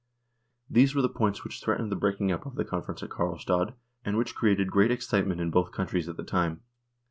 These were the points which threatened the breaking up of the con ference at Karlstad, and which created great excite ment in both countries at the time.